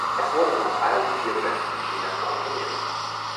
Es wurde von allen vier Bandmitgliedern komponiert.